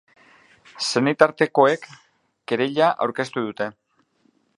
Senitartekoek kereila aurkeztu dute.